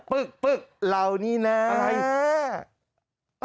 เรานี่น้า